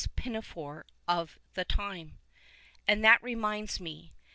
Pinafore of the time. And that reminds me.